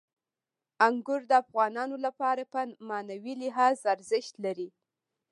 انګور د افغانانو لپاره په معنوي لحاظ ارزښت لري.